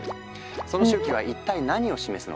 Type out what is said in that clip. その周期は一体何を示すのか？